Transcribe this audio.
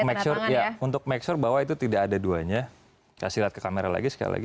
make sure ya untuk make sure bahwa itu tidak ada duanya kasih lihat ke kamera lagi sekali lagi